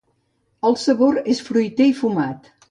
El sabor és fruiter i fumat.